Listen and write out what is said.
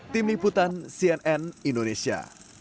tim liputan cnn indonesia